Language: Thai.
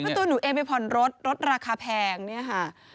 เพราะตัวหนูเองไปผ่อนรถรถราคาแพงเนี่ยค่ะ